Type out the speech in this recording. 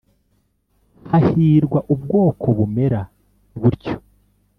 hahirwa ubwoko bumera butyo